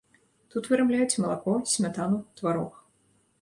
Тут вырабляюць малако, смятану, тварог.